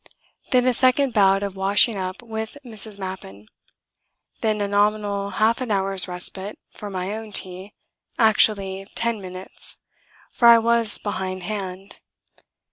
Then a second bout of washing up with Mrs. Mappin. Then a nominal half an hour's respite for my own tea actually ten minutes, for I was behindhand.